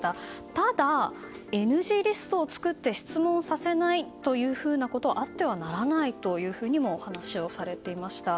ただ、ＮＧリストを作って質問をさせないということはあってはならないとも話されていました。